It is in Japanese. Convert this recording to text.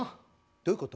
どういうこと？